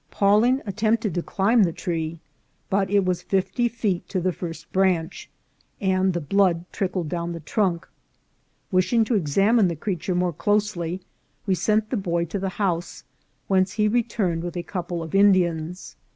Pawling attempted to climb the tree ; but it was fifty feet to the first branch, and the blood trickled down the trunk. Wishing to examine the creature more closely, we sent the boy to the house, whence he returned with a couple of Indians.